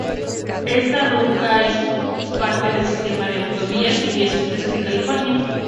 Esta ruta es parte de Sistema de Autovías y Vías Expresas de California.